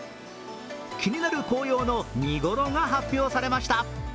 気になる紅葉の見頃が発表されました。